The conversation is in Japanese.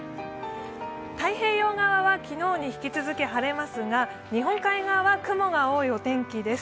太平洋側は昨日に引き続き晴れますが日本海側は雲が多いお天気です。